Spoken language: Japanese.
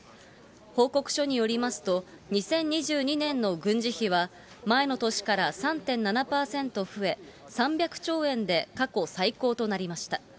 報告書によりますと、２０２２年の軍事費は前の年から３．７％増え、３００兆円で過去最高となりました。